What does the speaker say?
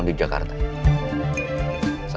oh yaudah kalau gitu